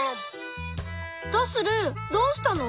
ドスルどうしたの？